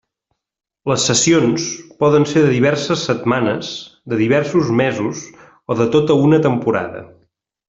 Les cessions poden ser de diverses setmanes, de diversos mesos o de tota una temporada.